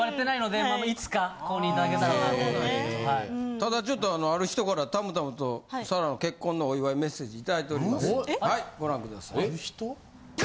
ただちょっとある人からたむたむと沙羅の結婚のお祝いメッセージ頂いております。